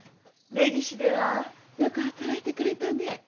根岸ではよく働いてくれたね。